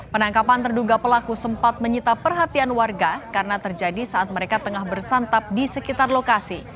penangkapan terduga pelaku sempat menyita perhatian warga karena terjadi saat mereka tengah bersantap di sekitar lokasi